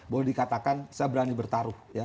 boleh dikatakan saya berani bertaruh ya